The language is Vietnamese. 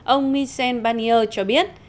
ông michel barnier cho biết